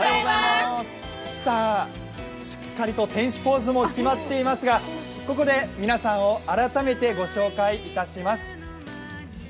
さあ、しっかりと天使ポーズも決まっていますがここで皆さんを改めてご紹介いたします。